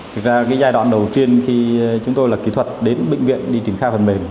thực ra cái giai đoạn đầu tiên khi chúng tôi là kỹ thuật đến bệnh viện đi triển khai phần mềm